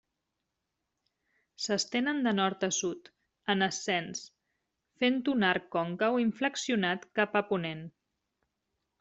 S'estenen de nord a sud, en ascens, fent un arc còncau inflexionat cap a ponent.